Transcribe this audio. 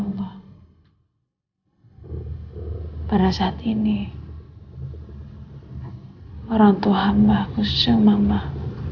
salah satunya dari perusahaan saya ya allah